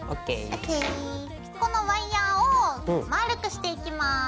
このワイヤーをまぁるくしていきます。